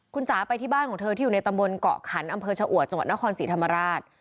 คุณจ๋าไปที่บ้านของเธอที่อยู่ในตำบลเกาะขันอำเภอชะอวดจังหวัดนครศรีธรรมราช